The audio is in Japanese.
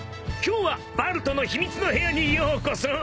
今日はバルトの秘密の部屋にようこそ。